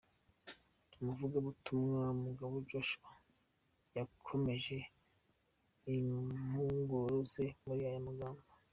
Umuvugabutumwa Mugabo Joshua yakomeje impuguro ze muri aya magambo: .